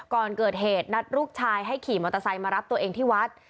ก่อนเกิดเหตุนัดลูกชายให้ขี่มอเตอร์ไซค์มารับตัวเองที่วัด